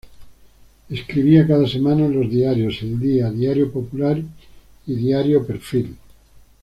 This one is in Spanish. Escribía cada semana en los diarios "El Día", "Diario Popular" y "Diario Perfil".